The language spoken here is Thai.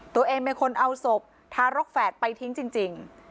ตัวเองเป็นคนเอาศพทารกแฝดไปทิ้งจริง